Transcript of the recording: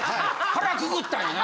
腹くくったんやな！